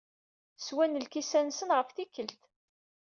Swan lkisan-nsen ɣef tikkelt.